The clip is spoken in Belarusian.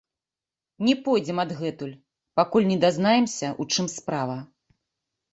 Не пойдзем адгэтуль, пакуль не дазнаемся, у чым справа.